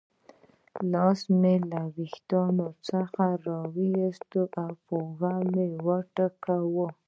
لاس مې یې له وریښتو څخه را وایست او پر اوږه مې وټکاوه.